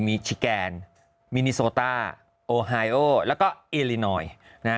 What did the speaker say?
มีชิแกนมินิโซต้าโอไฮโอแล้วก็เอลินอยนะฮะ